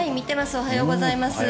おはようございます。